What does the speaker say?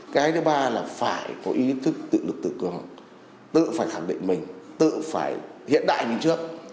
cái thứ ba là phải có ý thức tự lực tự cường tự phải khẳng định mình tự phải hiện đại mình trước